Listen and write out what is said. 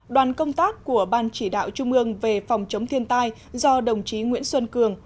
đoàn công tác của ban chỉ đạo trung ương về phòng chống thiên tai do đồng chí nguyễn xuân cường